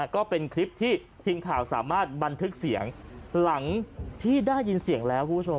ก็เป็นคลิปที่ทีมข่าวสามารถบันทึกเสียงหลังที่ได้ยินเสียงแล้วคุณผู้ชม